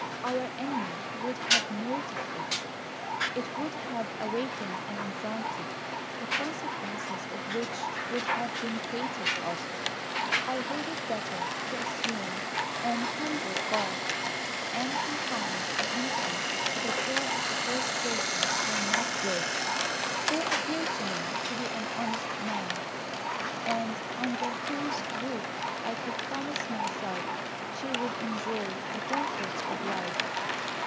Our enemy would have noticed it. It would have awakened an anxiety, the consequences of which would have been fatal to us. I thought it better to assume an humble garb, and confide the infant to the care of the first person I met with, who appeared to me to be an honest man, and under whose roof I could promise myself she would enjoy the comforts of life.